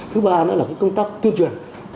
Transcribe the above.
thứ ba nữa là công tác tuyên truyền